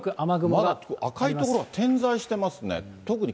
まだ赤い所、点在してますね。